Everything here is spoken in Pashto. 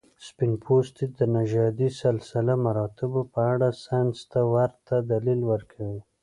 سپین پوستي د نژادي سلسله مراتبو په اړه ساینس ته ورته دلیل ورکوي.